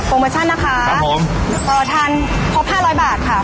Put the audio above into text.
โปรโมชั่นนะคะทานครบ๕๐๐บาทค่ะ